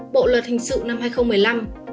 bộ luật hình sự năm hai nghìn một mươi năm